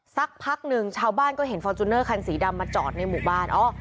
สักพักหนึ่งชาวบ้านก็เห็นฟอร์จูเนอร์คันสีดำมาจอดในหมู่บ้าน